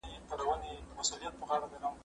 هغه څوک چي منډه وهي قوي کيږي؟